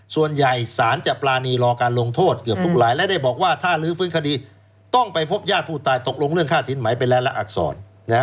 ส่วนใหญ่สารจะปรานีรอการลงโทษเกือบทุกรายและได้บอกว่าถ้าลื้อฟื้นคดีต้องไปพบญาติผู้ตายตกลงเรื่องค่าสินหมายไปแล้วละอักษร